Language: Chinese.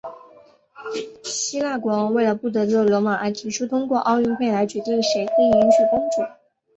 希腊国王为了不得罪罗马而提出通过奥运会来决定谁可以迎娶公主。